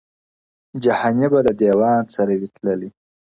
• جهاني به له دېوان سره وي تللی -